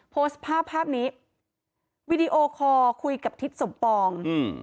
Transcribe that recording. โพสท์ภาพนี้วิดีโอคอร์คุยกับทิศสมปอง